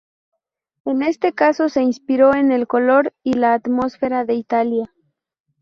En este caso se inspiró en el color y la atmósfera de Italia.